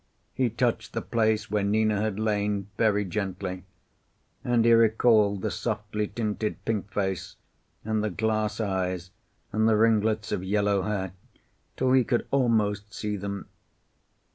He touched the place where Nina had lain, very gently, and he recalled the softly tinted pink face, and the glass eyes, and the ringlets of yellow hair, till he could almost see them.